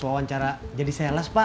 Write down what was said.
gak mohon tanya tanya sih